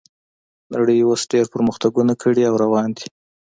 نړۍ اوس ډیر پرمختګونه کړي او روان دي